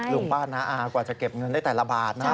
ลุงป้าน้าอากว่าจะเก็บเงินได้แต่ละบาทนะ